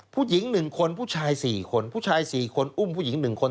ผู้หญิงหนึ่งคนผู้ชายสี่คนผู้ชายสี่คนอุ้มผู้หญิงหนึ่งคน